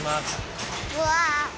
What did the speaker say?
うわ！